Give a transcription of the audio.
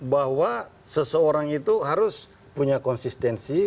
bahwa seseorang itu harus punya konsistensi